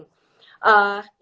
yang kedua pertahanan imunitas